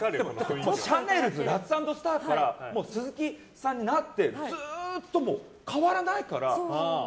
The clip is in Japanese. シャネルズラッツ＆スターから鈴木さんになってずっと変わらないから。